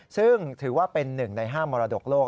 ซึ่งถือว่าเป็น๑ใน๕มรดกโลก